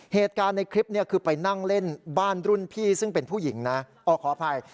เหตุการณ์ในคลิปเนี่ยคือไปนั่งเล่นบ้านรุ่นพี่ซึ่งเป็นผู้หญิงนะขออภัย